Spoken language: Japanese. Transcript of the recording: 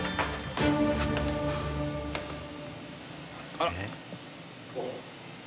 あら！